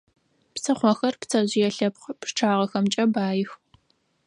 Псыхъохэр пцэжъые лъэпкъ пчъагъэхэмкӀэ баих.